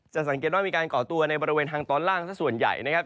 สังเกตว่ามีการก่อตัวในบริเวณทางตอนล่างสักส่วนใหญ่นะครับ